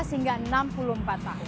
lima belas hingga enam puluh empat tahun